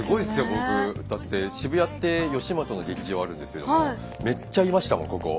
僕だって渋谷って吉本の劇場あるんですけどもめっちゃいましたもんここ。